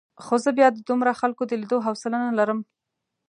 خو زه بیا د دومره خلکو د لیدو حوصله نه لرم.